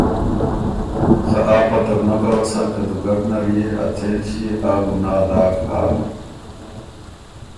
خه آ پته بو نک اؤسا که دُوګډ نر يې ا څېن ݭيې آ ګناه داک هۀ۔